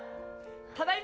ただいま！